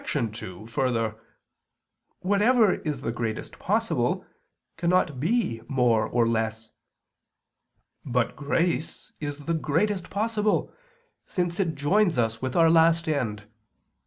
2: Further, whatever is the greatest possible, cannot be more or less. But grace is the greatest possible, since it joins us with our last end.